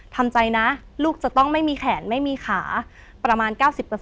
ทำใจนะลูกจะต้องไม่มีแขนไม่มีขาประมาณ๙๐